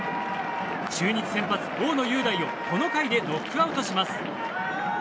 中日先発、大野雄大をこの回でノックアウトします。